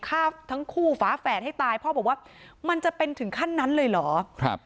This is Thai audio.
ฆ่าทั้งคู่ฝาแฝดให้ตายพ่อบอกว่ามันจะเป็นถึงขั้นนั้นเลยเหรอครับ